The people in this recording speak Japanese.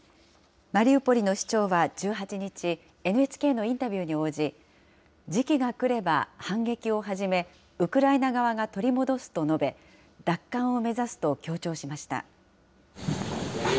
マリウポリの市長は１８日、ＮＨＫのインタビューに応じ、時期が来れば反撃を始め、ウクライナ側が取り戻すと述べ、奪還を目指すと強調しました。